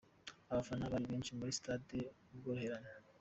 Abafana bari benshi muri stade Ubworoherane.